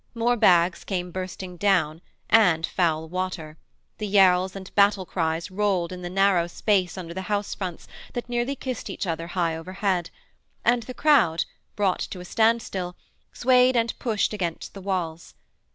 More bags came bursting down and foul water; the yells and battlecries rolled, in the narrow space under the house fronts that nearly kissed each other high overhead, and the crowd, brought to a standstill, swayed and pushed against the walls.